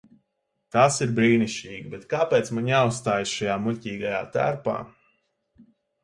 Tas ir brīnišķīgi, bet kāpēc man jāuzstājas šajā muļķīgajā tērpā?